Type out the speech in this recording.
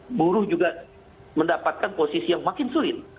karena buruh juga mendapatkan posisi yang makin sulit